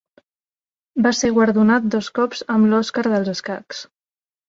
Va ser guardonat dos cops amb l'Òscar dels escacs.